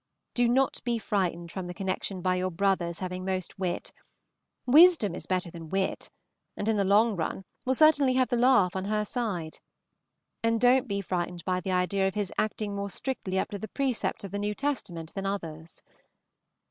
Do not be frightened from the connection by your brothers having most wit, wisdom is better than wit, and in the long run will certainly have the laugh on her side; and don't be frightened by the idea of his acting more strictly up to the precepts of the New Testament than others.